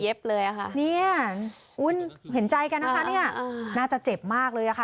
โอ้ยยยเห็นใจกันนะคะเนี่ยน่าจะเจ็บมากเลยค่ะ